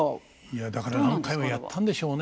いやだから何回もやったんでしょうね。